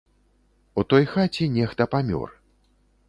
У той хаце нехта памёр.